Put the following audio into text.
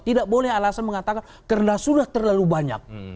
tidak boleh alasan mengatakan karena sudah terlalu banyak